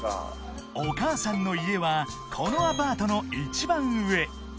［お母さんの家はこのアパートの一番上］